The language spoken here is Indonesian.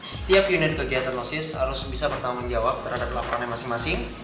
setiap unit kegiatan nosis harus bisa pertama menjawab terhadap laporannya masing masing